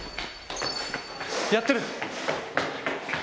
やってる。